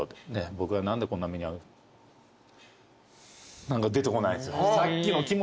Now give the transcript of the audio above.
「僕が何でこんな目に遭う」出てこないんですよ。